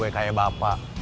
pokoknya kayak bapak